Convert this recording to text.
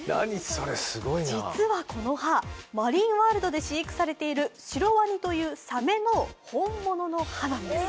実はこの歯、マリンワールドで飼育されているシロワニというサメの本物の歯なんです。